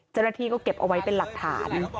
เจ้าหน้าที่ก็เก็บเอาไว้เป็นหลักฐาน